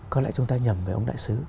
có lẽ chúng ta nhầm về ông đại sứ